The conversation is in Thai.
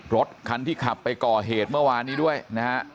รถคันที่ขับไปก่อเหตุเมื่อวานนี้ด้วยนะฮะ